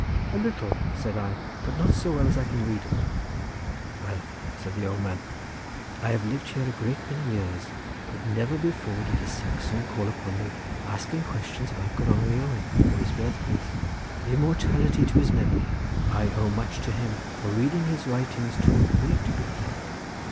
"A little," said I; "but not so well as I can read it." "Well," said the old man, "I have lived here a great many years, but never before did a Saxon call upon me, asking questions about Gronwy Owen, or his birth place. Immortality to his memory! I owe much to him, for reading his writings taught me to be a poet!"